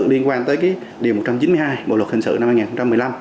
liên quan tới điều một trăm chín mươi hai bộ luật hình sự năm hai nghìn một mươi năm